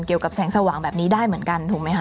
กับแสงสว่างแบบนี้ได้เหมือนกันถูกไหมคะ